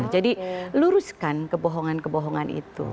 jadi luruskan kebohongan kebohongan itu